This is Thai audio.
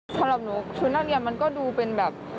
สำหรับหนูชุดนักเรียนมันก็ดูเป็นแบบ